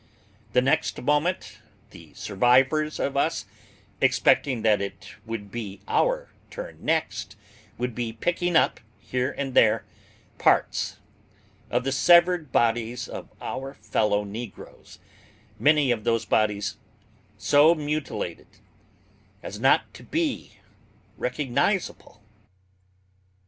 The next moment the survivors of us, expecting that it would be our turn next, would be picking up, here and there, parts of the severed bodies of our fellow negroes; many of those bodies so mutilated as not to be recognizable.